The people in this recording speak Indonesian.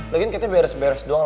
lagian kayaknya beres beres doang